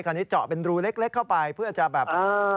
คราวนี้เจาะเป็นรูเล็กเข้าไปเพื่อจะแบบ